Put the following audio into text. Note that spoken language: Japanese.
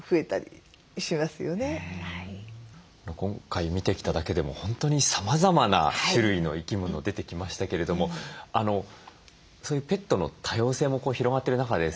今回見てきただけでも本当にさまざまな種類の生き物出てきましたけれどもそういうペットの多様性も広がってる中でですね